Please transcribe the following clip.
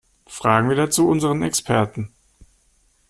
Fragen wir dazu unseren Experten.